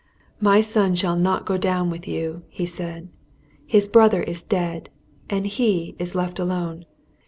"My son shall not go down with you," he said. "His brother is dead, and he is left alone.